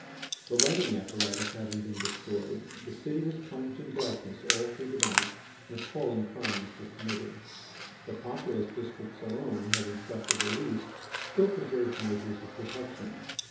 The lighting apparatus having been destroyed, the city was plunged in darkness all through the night, and appalling crimes were committed. The populous districts alone, having suffered the least, still preserved measures of protection.